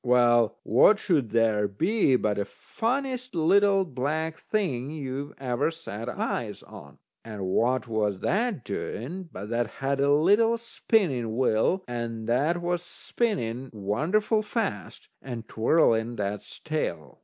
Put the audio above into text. Well, what should there be but the funniest little black thing you ever set eyes on. And what was that doing, but that had a little spinning wheel, and that was spinning wonderful fast, and twirling that's tail.